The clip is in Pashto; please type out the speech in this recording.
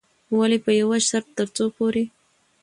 ولې په يوه شرط، ترڅو پورې